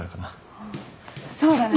ああそうだね。